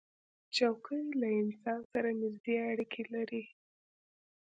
چوکۍ له انسان سره نزدې اړیکه لري.